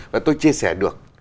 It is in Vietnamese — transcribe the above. và tôi chia sẻ được